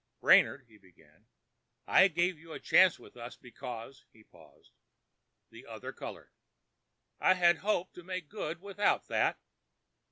"Brainard," he began, "I gave you a chance with us because——" He paused. The other colored. "I had hoped to make good without that."